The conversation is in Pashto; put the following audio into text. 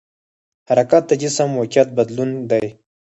حرکت د جسم موقعیت بدلون دی.